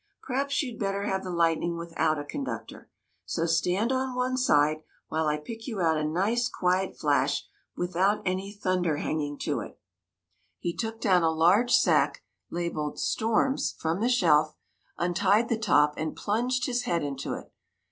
Perhaps you 'd bet ter have the lightning without a conductor ; so stand on one side, while I pick you out a nice quiet flash without any thunder hanging to it." THE MAGICIAN'S TEA PARTY 41 He took down a large sack, labelled Storms, from the shelf, untied the top and plunged his head into it.